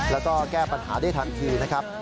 แล้วก็แก้ปัญหาได้ทันทีนะครับ